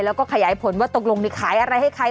แล้วก็ขยายผลว่าตกลงนี่ขายอะไรให้ใคร